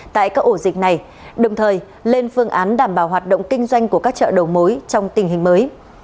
tại các ổ dịch này đồng thời lên phương án đảm bảo hoạt động kinh doanh của các chợ đầu mối trong tình hình mới